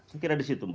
saya kira disitu mbak